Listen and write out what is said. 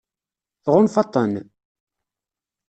Tɣunfaḍ-ten?